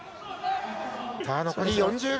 残り４０秒。